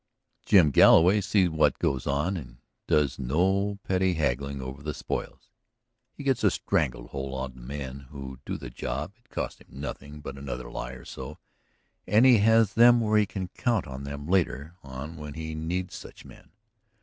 Jim Galloway sees what goes on and does no petty haggling over the spoils; he gets a strangle hold on the men who do the job; it costs him nothing but another lie or so, and he has them where he can count on them later on when he needs such men.